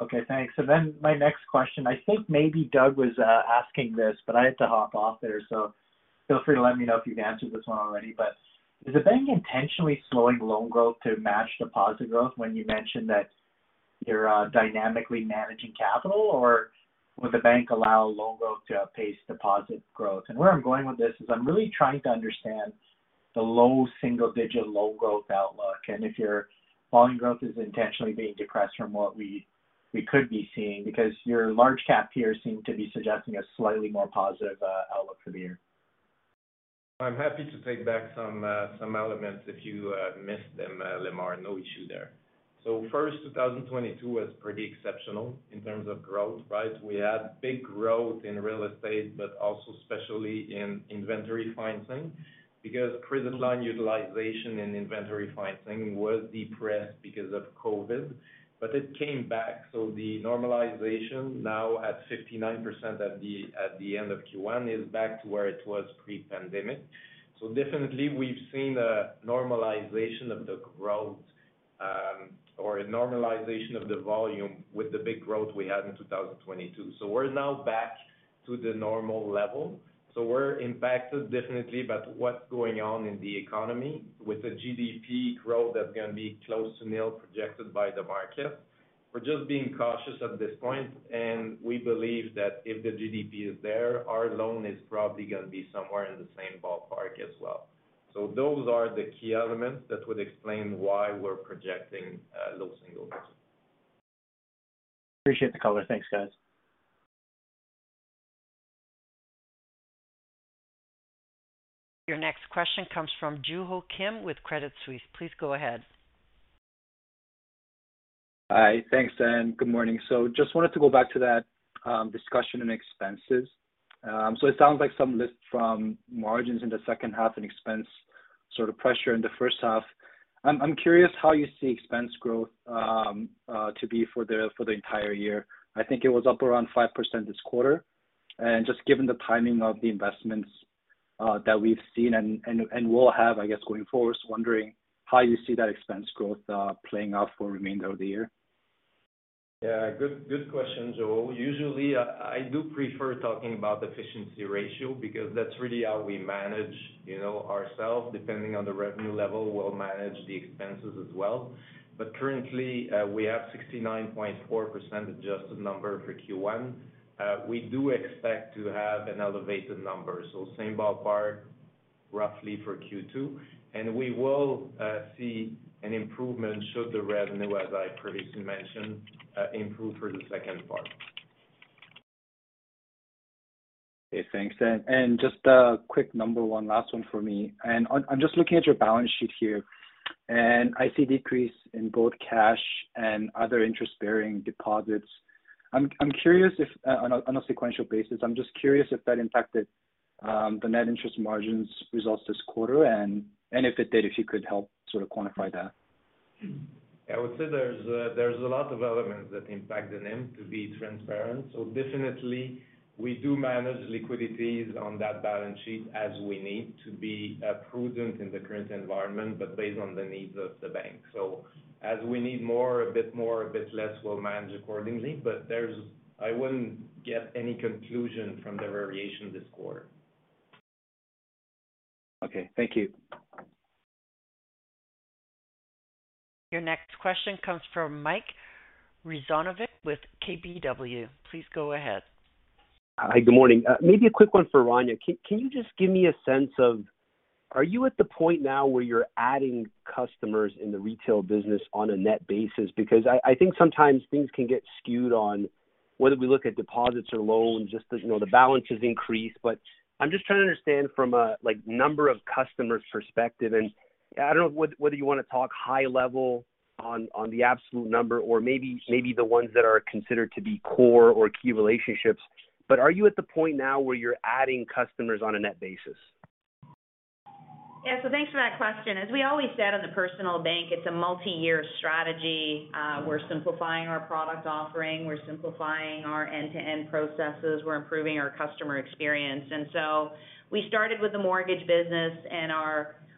Okay, thanks. My next question. I think maybe Doug was asking this. I had to hop off there, feel free to let me know if you've answered this one already. Is the Bank intentionally slowing loan growth to match deposit growth when you mentioned that you're dynamically managing capital, or would the Bank allow loan growth to outpace deposit growth? Where I'm going with this is I'm really trying to understand the low single digit loan growth outlook and if your volume growth is intentionally being depressed from what we could be seeing because your large cap peers seem to be suggesting a slightly more positive outlook for the year. I'm happy to take back some elements if you missed them, Lemar. No issue there. First, 2022 was pretty exceptional in terms of growth, right? We had big growth in real estate, but also especially in inventory financing because prison line utilization in inventory financing was depressed because of COVID. It came back, the normalization now at 59% at the end of Q1 is back to where it was pre-pandemic. Definitely we've seen a normalization of the growth or a normalization of the volume with the big growth we had in 2022. We're now back to the normal level. We're impacted definitely by what's going on in the economy with the GDP growth that's gonna be close to nil projected by the market. We're just being cautious at this point, and we believe that if the GDP is there, our loan is probably gonna be somewhere in the same ballpark as well. Those are the key elements that would explain why we're projecting low single digit. Appreciate the color. Thanks, guys. Your next question comes from Joo Ho Kim with Credit Suisse. Please go ahead. Hi. Thanks and good morning. Just wanted to go back to that discussion on expenses. It sounds like some lift from margins in the second half and expense sort of pressure in the first half. I'm curious how you see expense growth to be for the entire year. I think it was up around 5% this quarter. Just given the timing of the investments that we've seen and will have, I guess, going forward, wondering how you see that expense growth playing out for remainder of the year? Yeah. Good question, Joo Ho. Usually I do prefer talking about the efficiency ratio because that's really how we manage, you know, ourselves. Depending on the revenue level, we'll manage the expenses as well. Currently, we have a 69.4% adjusted number for Q1. We do expect to have an elevated number, so same ballpark roughly for Q2. We will see an improvement should the revenue, as I previously mentioned, improve for the second part. Okay, thanks. Just a quick number one, last one for me. I'm just looking at your balance sheet here, and I see decrease in both cash and other interest-bearing deposits. I'm curious if on a sequential basis, I'm just curious if that impacted the net interest margins results this quarter and if it did, if you could help sort of quantify that. I would say there's a lot of elements that impact the NIM to be transparent. Definitely we do manage liquidities on that balance sheet as we need to be prudent in the current environment, but based on the needs of the bank. As we need more, a bit more, a bit less, we'll manage accordingly. I wouldn't get any conclusion from the variation this quarter. Okay, thank you. Your next question comes from Mike Rizvanovic with KBW. Please go ahead. Hi. Good morning. Maybe a quick one for Rania. Can you just give me a sense of are you at the point now where you're adding customers in the retail business on a net basis? I think sometimes things can get skewed on whether we look at deposits or loans just as, you know, the balances increase. I'm just trying to understand from a like number of customers perspective. I don't know whether you wanna talk high level on the absolute number or maybe the ones that are considered to be core or key relationships. Are you at the point now where you're adding customers on a net basis? Yeah. Thanks for that question. As we always said on the personal bank, it's a multiyear strategy. We're simplifying our product offering. We're simplifying our end-to-end processes. We're improving our customer experience. We started with the mortgage business, and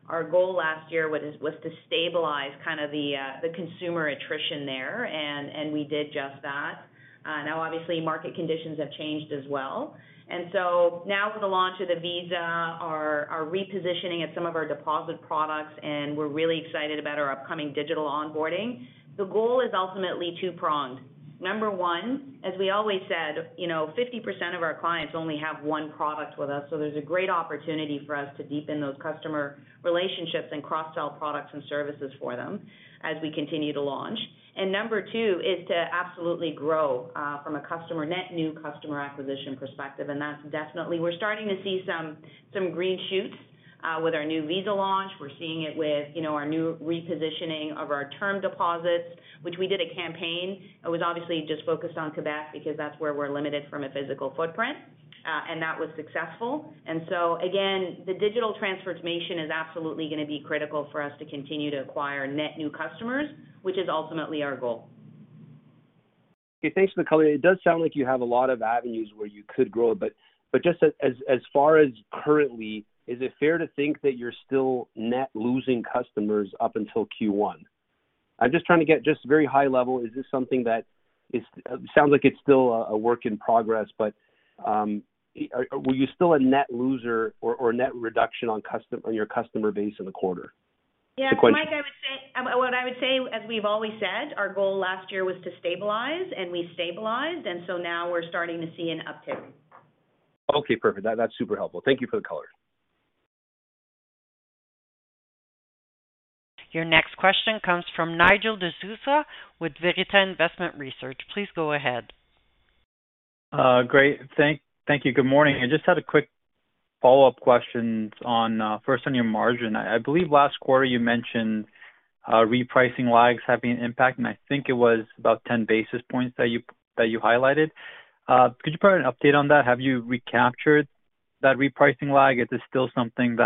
our goal last year was to stabilize kind of the consumer attrition there, and we did just that. Now obviously market conditions have changed as well. Now with the launch of the Visa, our repositioning of some of our deposit products, and we're really excited about our upcoming digital onboarding. The goal is ultimately two-pronged. Number one, as we always said, you know 50% of our clients only have one product with us. There's a great opportunity for us to deepen those customer relationships and cross-sell products and services for them as we continue to launch. Number two is to absolutely grow, from a customer net new customer acquisition perspective. That's definitely we're starting to see some green shoots, with our new Visa launch. We're seeing it with, you know, our new repositioning of our term deposits, which we did a campaign. It was obviously just focused on Quebec because that's where we're limited from a physical footprint, and that was successful. So again, the digital transformation is absolutely gonna be critical for us to continue to acquire net new customers, which is ultimately our goal. Okay. Thanks for the color. It does sound like you have a lot of avenues where you could grow. Just as far as currently, is it fair to think that you're still net losing customers up until Q1? I'm just trying to get just very high level. Is this something that sounds like it's still a work in progress, but were you still a net loser or net reduction on your customer base in the quarter? Yeah. Mike, what I would say, as we've always said, our goal last year was to stabilize, and we stabilized, and so now we're starting to see an uptick. Okay, perfect. That's super helpful. Thank you for the color. Your next question comes from Nigel D'Souza with Veritas Investment Research. Please go ahead. Great. Thank you. Good morning. I just had a quick follow-up questions on, first on your margin. I believe last quarter you mentioned repricing lags having an impact, and I think it was about 10 basis points that you highlighted. Could you provide an update on that? Have you recaptured that repricing lag? Is this still something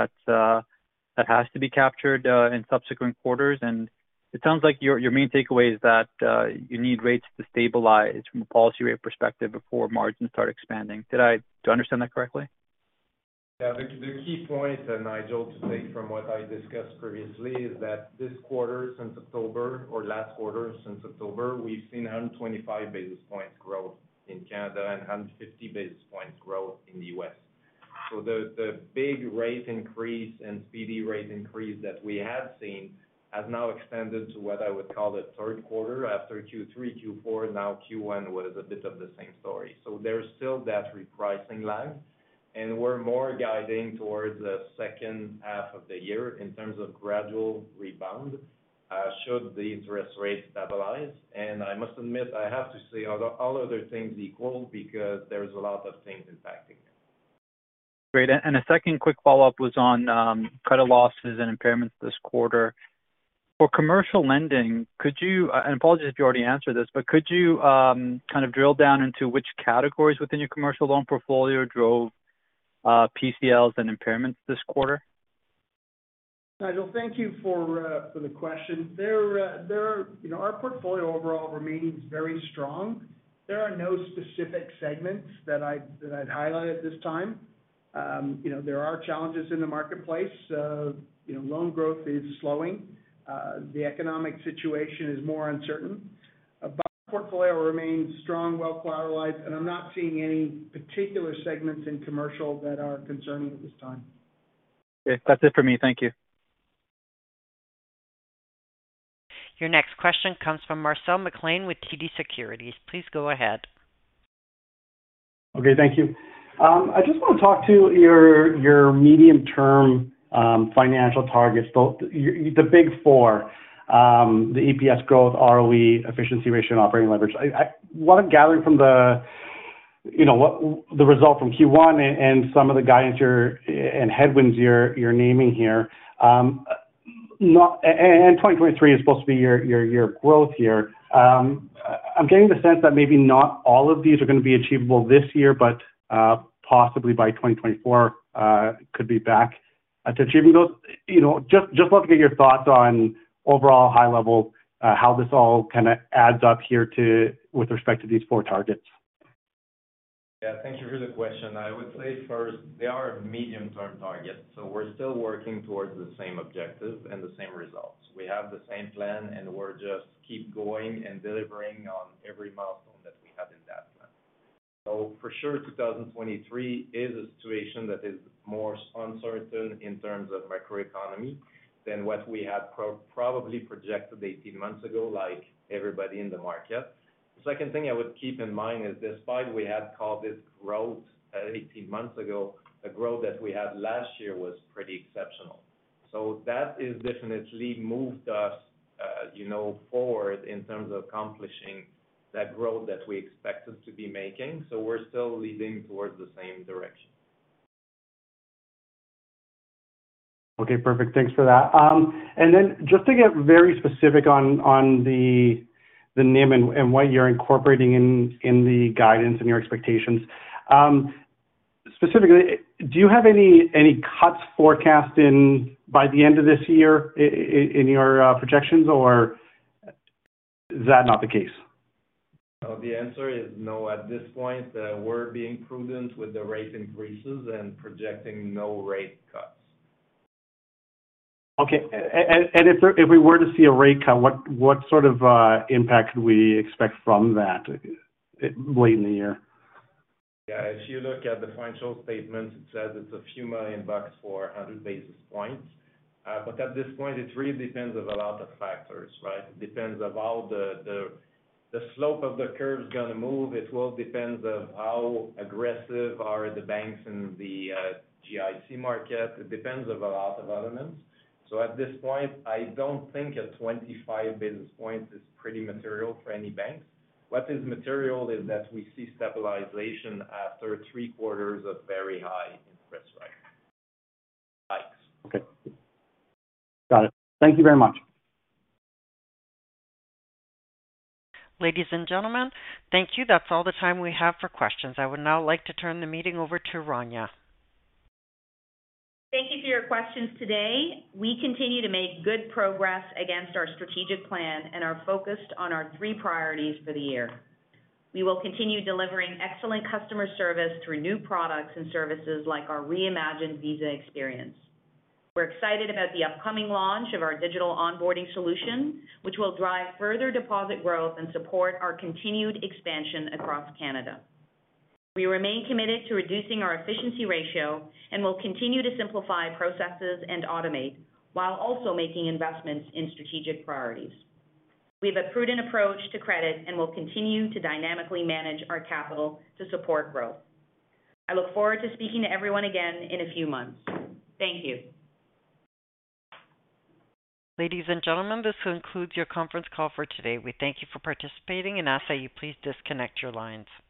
that has to be captured in subsequent quarters? It sounds like your main takeaway is that you need rates to stabilize from a policy rate perspective before margins start expanding. Do I understand that correctly? Yeah. The key point, Nigel, to take from what I discussed previously is that this quarter since October or last quarter since October, we've seen 125 basis points growth in Canada and 150 basis points growth in the U.S. The big rate increase and speedy rate increase that we have seen has now extended to what I would call the third quarter after Q3, Q4, now Q1 was a bit of the same story. There's still that repricing lag, and we're more guiding towards the second half of the year in terms of gradual rebound, should the interest rates stabilize. I must admit, I have to say all other things equal because there's a lot of things impacting. Great. A second quick follow-up was on credit losses and impairments this quarter. For commercial lending, could you, and I apologize if you already answered this, but could you kind of drill down into which categories within your commercial loan portfolio drove PCLs and impairments this quarter? Nigel, thank you for for the question. There, you know, our portfolio overall remains very strong. There are no specific segments that I'd highlight at this time. You know, there are challenges in the marketplace. You know, loan growth is slowing. The economic situation is more uncertain. Our portfolio remains strong, well collateralized, and I'm not seeing any particular segments in commercial that are concerning at this time. Okay. That's it for me. Thank you. Your next question comes from Marcel McLean with TD Securities. Please go ahead. Okay. Thank you. I just wanna talk to your medium-term financial targets, the big four, the EPS growth, ROE, efficiency ratio, and operating leverage. What I'm gathering from the, you know, what the result from Q1 and some of the guidance and headwinds you're naming here, 2023 is supposed to be your, your growth year. I'm getting the sense that maybe not all of these are gonna be achievable this year, but possibly by 2024 could be back to achieving those. You know, just love to get your thoughts on overall high level how this all kinda adds up here with respect to these four targets. Thank you for the question. I would say first they are medium-term targets, so we're still working towards the same objective and the same results. We have the same plan, and we're just keep going and delivering on every milestone that we have in that plan. For sure, 2023 is a situation that is more uncertain in terms of macroeconomy than what we had probably projected 18 months ago, like everybody in the market. The second thing I would keep in mind is despite we had called it growth, 18 months ago, the growth that we had last year was pretty exceptional. That has definitely moved us, you know, forward in terms of accomplishing that growth that we expected to be making, so we're still leading towards the same direction. Okay, perfect. Thanks for that. Just to get very specific on the NIM and what you're incorporating in the guidance and your expectations. Specifically, do you have any cuts forecast in by the end of this year in your projections, or is that not the case? No, the answer is no. At this point, we're being prudent with the rate increases and projecting no rate cuts. Okay. If we were to see a rate cut, what sort of impact could we expect from that late in the year? Yeah. If you look at the financial statement, it says it's a few million bucks for 100 basis points. At this point, it really depends of a lot of factors, right? Depends of how the, the slope of the curve's gonna move. It will depends of how aggressive are the banks in the GIC market. It depends of a lot of elements. At this point, I don't think a 25 basis point is pretty material for any banks. What is material is that we see stabilization after three quarters of very high interest rate hikes. Okay. Got it. Thank you very much. Ladies and gentlemen, thank you. That's all the time we have for questions. I would now like to turn the meeting over to Rania. Thank you for your questions today. We continue to make good progress against our strategic plan and are focused on our three priorities for the year. We will continue delivering excellent customer service through new products and services like our reimagined Visa experience. We're excited about the upcoming launch of our digital onboarding solution, which will drive further deposit growth and support our continued expansion across Canada. We remain committed to reducing our efficiency ratio and will continue to simplify processes and automate while also making investments in strategic priorities. We have a prudent approach to credit and will continue to dynamically manage our capital to support growth. I look forward to speaking to everyone again in a few months. Thank you. Ladies and gentlemen, this concludes your conference call for today. We thank you for participating and ask that you please disconnect your lines.